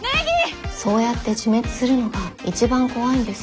そうやって自滅するのが一番怖いんですよ。